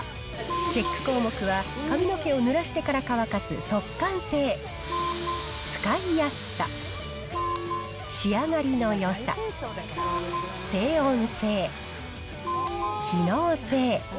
チェック項目は髪の毛をぬらしてから乾かす速乾性、使いやすさ、仕上がりのよさ、静音性、機能性。